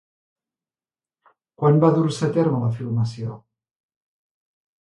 Quan va dur-se a terme la filmació?